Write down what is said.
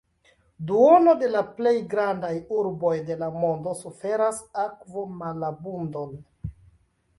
Duono de la plej grandaj urboj de la mondo suferas akvomalabundon.